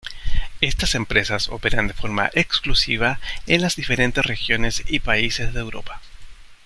Estas empresas operan de forma exclusiva en las diferentes regiones y países de Europa.